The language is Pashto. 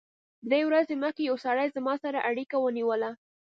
درې ورځې مخکې یو سړي زما سره اړیکه ونیوله